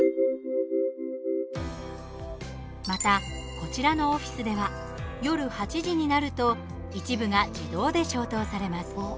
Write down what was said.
また、こちらのオフィスでは夜８時になると一部が自動で消灯されます。